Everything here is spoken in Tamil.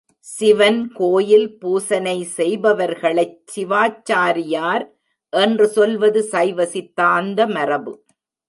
சிவன் கோயில் பூசனை செய்பவர்களைச் சிவாச்சாரியார் என்று சொல்வது சைவ சித்தாந்த மரபு.